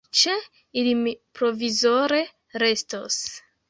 Ĉe ili mi provizore restos.